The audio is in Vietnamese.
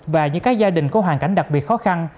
và những gia đình có hoàn cảnh đặc biệt khó khăn